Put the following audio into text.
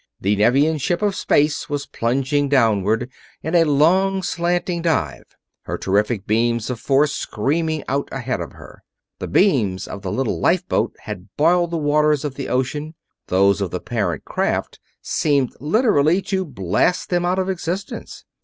The Nevian ship of space was plunging downward in a long, slanting dive, her terrific beams of force screaming out ahead of her. The beams of the little lifeboat had boiled the waters of the ocean; those of the parent craft seemed literally to blast them out of existence.